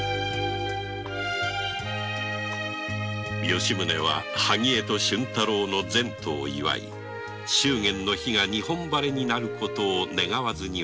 吉宗は萩絵と俊太郎の前途を祝い祝言の日が日本晴れになる事を願わずにはいられなかった